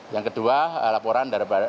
yang kedua laporan daripada